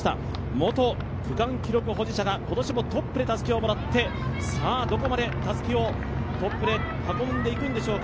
元区間記録保持者が今年もトップでたすきをもらってどこまでたすきをトップで運んでいくんでしょうか。